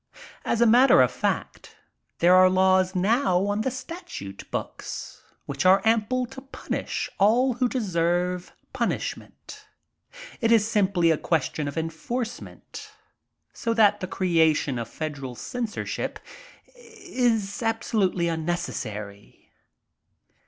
As a matter of fact, there are laws now on the statute books which are ample to punish all who deserve punishment It is simply a question of en forcement So that the creation of Federal censor ship is absolutely unnecessary.